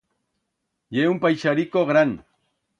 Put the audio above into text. Ye un paixarico gran.